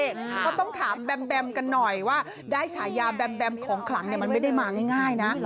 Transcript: เพราะต้องถามแบมกันหน่อยว่าได้ฉายาแบมแบมของขลังมันไม่ได้มาง่ายนะ